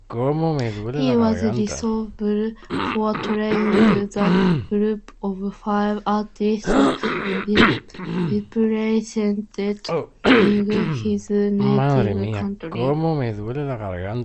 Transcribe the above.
He was responsible for training the group of five artists representing his native country.